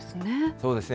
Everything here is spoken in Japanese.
そうですね。